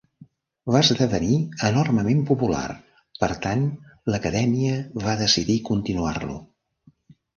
Va esdevenir enormement popular, per tant l'Acadèmia va decidir continuar-lo.